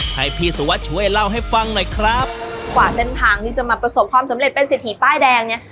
ให้พี่สุวัสดิ์ช่วยเล่าให้ฟังหน่อยครับกว่าเส้นทางที่จะมาประสบความสำเร็จเป็นเศรษฐีป้ายแดงเนี้ย